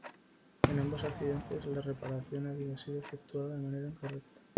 En ambos accidentes, la reparación había sido efectuada de manera incorrecta.